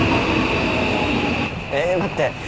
えっ待って。